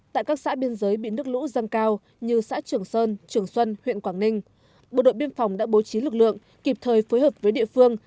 tại các xã biên giới bị nước lũ dâng cao như xã trường sơn trường xuân huyện quảng ninh bộ đội biên phòng đã bố trí lực lượng kịp thời phối hợp với địa phương